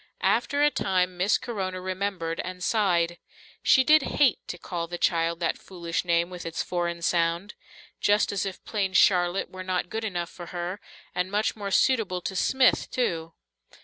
After a time Miss Corona remembered and sighed. She did hate to call the child that foolish name with its foreign sound. Just as if plain "Charlotte" were not good enough for her, and much more suitable to "Smith" too!